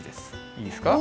いいですか？